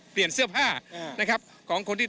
เปลี่ยนเสื้อผ้านะครับของคนที่